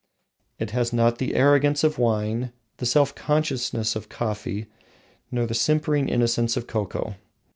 It has not the arrogance of wine, the self consciousness of coffee, nor the simpering innocence of cocoa.